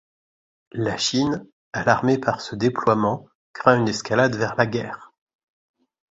La Chine, alarmée par ce déploiement, craint une escalade vers la guerre.